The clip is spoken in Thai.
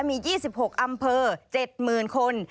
มี๒๖อำเภอ๗๐๐คน